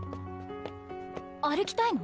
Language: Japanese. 歩きたいの？